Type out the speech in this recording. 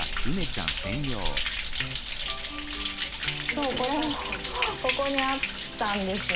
そうこれもここにあったんですよね。